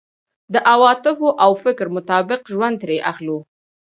د عواطفو او فکر مطابق ژوند ترې اخلو.